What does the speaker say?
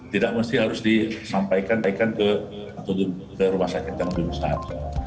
tidak mesti harus disampaikan ke rumah sakit yang lebih besar